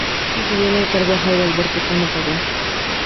Sucedió en el cargo a Jairo Alberto Cano Pabón.